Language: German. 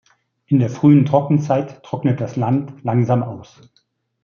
In der frühen Trockenzeit trocknet das Land langsam aus.